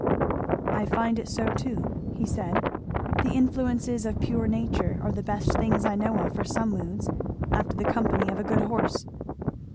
"I find it so too," he said. "The influences of pure nature are the best thing I know for some moods after the company of a good horse."